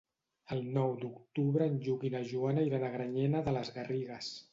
El nou d'octubre en Lluc i na Joana iran a Granyena de les Garrigues.